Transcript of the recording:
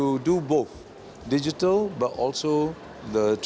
jadi kita harus melakukan kedua duanya